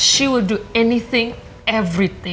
saya tak tahu menurutmu tapi